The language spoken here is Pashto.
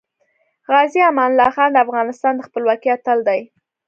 غازې امان الله خان د افغانستان د خپلواکۍ اتل دی .